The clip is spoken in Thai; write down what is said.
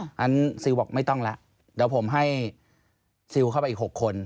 เพราะฉะนั้นซิลบอกไม่ต้องแล้วเดี๋ยวผมให้ซิลเข้าไปอีก๖คน